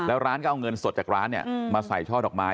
แล้วร้านก็เอาเงินสดจากร้านมาใส่ช่อดอกไม้